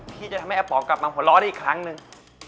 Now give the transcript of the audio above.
ที่จะทำให้อาป๋องกลับมาหัวเราะได้อีกครั้งหนึ่ง